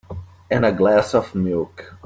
And a glass of milk.